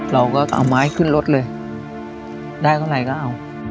เราก็เอาไม้ขึ้นรถเลยได้เท่าไหร่ก็เอา